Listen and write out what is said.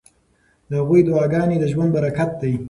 د هغوی دعاګانې د ژوند برکت دی.